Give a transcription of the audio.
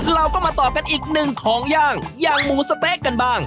เราก็มาต่อกันอีกหนึ่งของย่างย่างหมูสะเต๊ะกันบ้าง